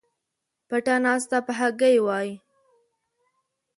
پټه ناسته په هګۍ وای